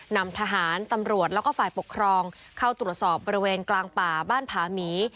นำทหารตำรวจแล้วก็ฝ่ายปกครองเข้าตรวจสอบบริเวณกลางป่าบ้านผาหมี